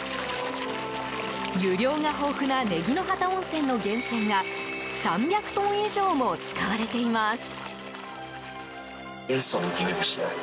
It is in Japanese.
湯量が豊富な祢宜ノ畑温泉の源泉が３００トン以上も使われています。